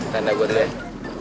tanda gua dulu ya